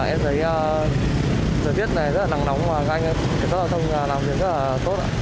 em thấy giờ viết này rất là nắng nóng và các anh giao thông làm việc rất là tốt